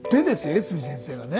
江角先生がね